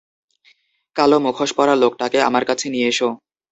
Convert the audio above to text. কালো মুখোশ পরা লোকটাকে আমার কাছে নিয়ে এসো।